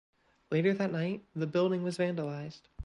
Later that night the building was vandalized.